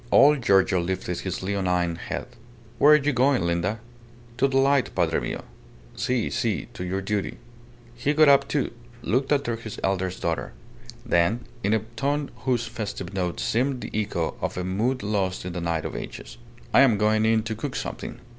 Old Giorgio lifted his leonine head. "Where are you going, Linda?" "To the light, padre mio." "Si, si to your duty." He got up, too, looked after his eldest daughter; then, in a tone whose festive note seemed the echo of a mood lost in the night of ages "I am going in to cook something.